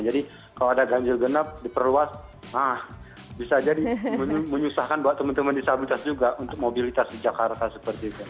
jadi kalau ada gajil genap diperluas nah bisa jadi menyusahkan buat teman teman disabilitas juga untuk mobilitas di jakarta seperti itu